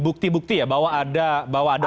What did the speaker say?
bukti bukti ya bahwa ada